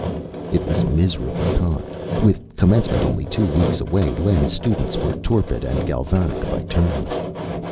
It was miserably hot. With Commencement only two weeks away, Len's students were torpid and galvanic by turns.